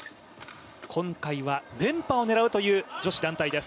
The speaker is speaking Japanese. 今回は、連覇を狙うという女子団体です。